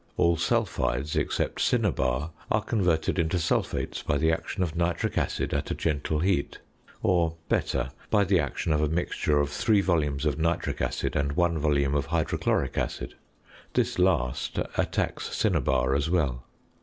All sulphides, except cinnabar, are converted into sulphates by the action of nitric acid at a gentle heat; or, better, by the action of a mixture of three volumes of nitric acid and one volume of hydrochloric acid. This last attacks cinnabar as well.